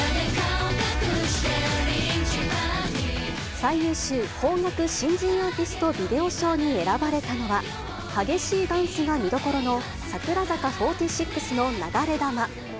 最優秀邦楽新人アーティストビデオ賞に選ばれたのは、激しいダンスが見どころの櫻坂４６の流れ弾。